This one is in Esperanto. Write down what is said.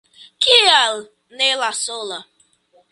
Kial ne la sola?